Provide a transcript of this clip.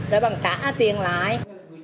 để bằng trả tiền lại